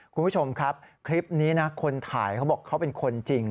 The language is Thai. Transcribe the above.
คุณผู้ชมครับคลิปนี้นะคนถ่ายเขาบอกเขาเป็นคนจริง